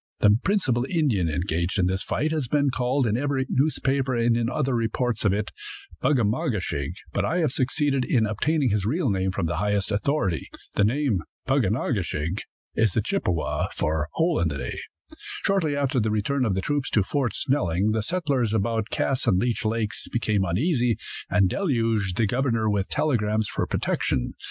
The principal Indian engaged in this fight has been called, in every newspaper and other reports of it, Bug a ma ge shig; but I have succeeded in obtaining his real name from the highest authority. The name, Pug on a ke shig, is the Chippewa for "Hole in the day." Shortly after the return of the troops to Fort Snelling the settlers about Cass and Leech lakes became uneasy, and deluged the governor with telegrams for protection.